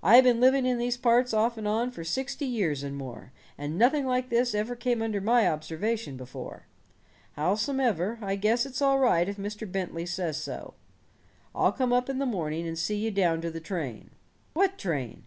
I been living in these parts, off and on, for sixty years and more, and nothing like this ever came under my observation before. Howsomever, I guess it's all right if Mr. Bentley says so. I'll come up in the morning and see you down to the train." "What train?"